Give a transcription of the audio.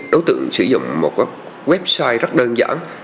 đối tượng sử dụng một website rất đơn giản